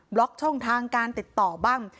ล็อกช่องทางการติดต่อบ้าง